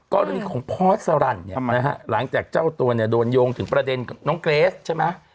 ก็เรื่องนี้ของพอสรรหลังจากเจ้าตัวโดนโยงถึงประเด็นของน้องเกรสใช่ไหม